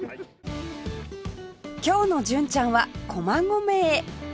今日の純ちゃんは駒込へ